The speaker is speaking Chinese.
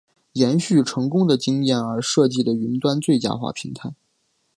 延续成功的经验而设计的云端最佳化平台。